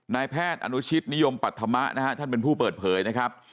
นายแพทย์อนุชิตนิยมปัธมะนะฮะท่านเป็นผู้เปิดเผยนะครับ